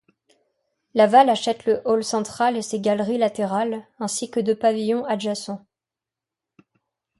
Laval achète le hall central et ses galeries latérales ainsi que deux pavillons adjacents.